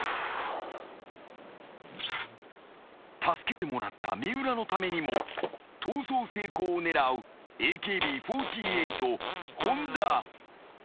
［助けてもらった三浦のためにも逃走成功を狙うＡＫＢ４８本田］